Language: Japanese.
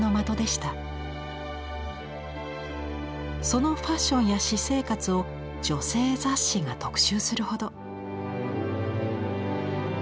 そのファッションや私生活を女性雑誌が特集するほど。